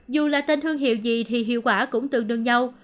dù là tên thương hiệu gì thì hiệu quả cũng tương đương nhau